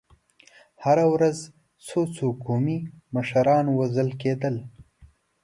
هره ورځ څو څو قومي مشران وژل کېدل.